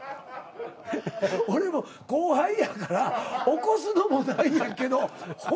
俺も後輩やから起こすのも何やけど本番中